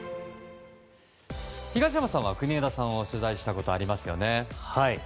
東山さんは国枝さんを取材したことがありますよね？